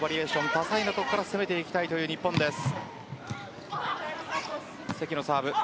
多彩なところから攻めていきたい日本です。